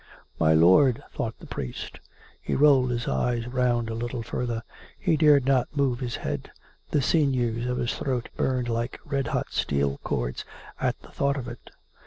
" My lord !" thought the priest. He rolled his eyes round a little further. (He dared not move his head; the sinews of his throat burned like red hot steel cords at the thought of it.)